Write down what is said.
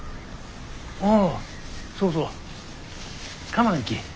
ああそうそう構わんき。